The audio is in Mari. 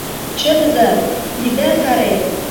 — Чытыза, ида каре!..